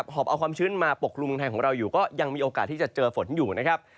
อบเอาความชื้นมาปกรุมเมืองไทยของเราอยู่ก็ยังมีโอกาสที่จะเจอฝนอยู่นะครับ